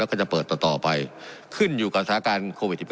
แล้วก็จะเปิดต่อไปขึ้นอยู่กับสถานการณ์โควิด๑๙